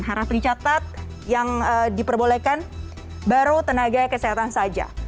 harap dicatat yang diperbolehkan baru tenaga kesehatan saja